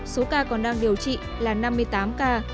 số ca còn đang điều trị là năm mươi tám ca